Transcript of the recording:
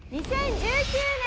２０１９年。